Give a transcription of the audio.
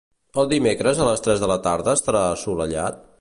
El dimecres a les tres de la tarda estarà assolellat?